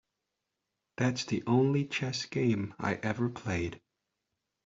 That's the only chess game I ever played.